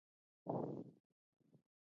د هایپرپلاسیا د حجرو زیاتېدل دي.